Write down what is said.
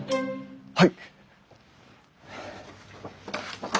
はい！